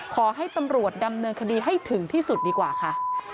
ขอให้ตำรวจดำเนินคดีให้ถึงที่สุดดีกว่าค่ะ